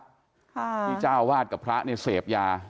ที่เจ้าวาดกับพระเสพยา